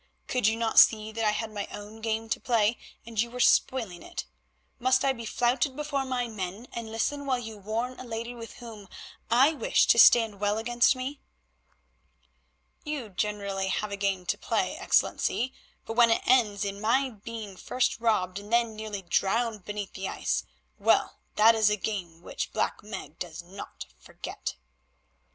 Could you not see that I had my own game to play, and you were spoiling it? Must I be flouted before my men, and listen while you warn a lady with whom I wish to stand well against me?" "You generally have a game to play, Excellency, but when it ends in my being first robbed and then nearly drowned beneath the ice—well, that is a game which Black Meg does not forget."